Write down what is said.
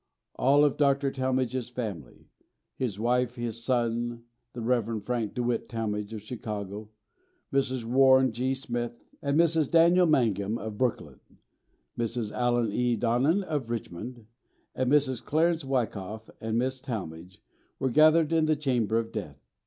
All of Dr. Talmage's family his wife, his son, the Rev. Frank DeWitt Talmage, of Chicago; Mrs. Warren G. Smith and Mrs. Daniel Mangam, of Brooklyn; Mrs. Allen E. Donnan, of Richmond; and Mrs. Clarence Wycoff and Miss Talmage, were gathered in the chamber of death.